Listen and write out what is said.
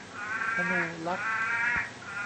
ธนูลักษณ์